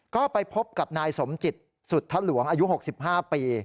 ก็ไปพบกับนายสมจิตสุธรหลวงอายุหกสิบห้าปี